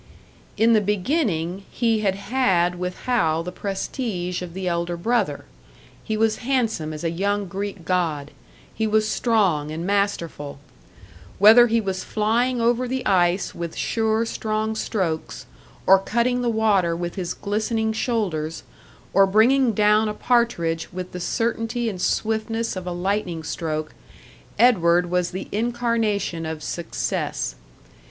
In the beginning, he had had with Hal the prestige of the elder brother. He was handsome as a young Greek god, he was strong and masterful; whether he was flying over the ice with sure, strong strokes, or cutting the water with his glistening shoulders, or bringing down a partridge with the certainty and swiftness of a lightning stroke, Edward was the incarnation of Success.